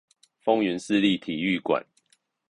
豐原區市立體育館